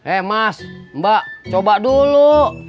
eh mas mbak coba dulu